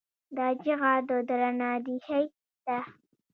دا چیغه د دوراندیشۍ ده.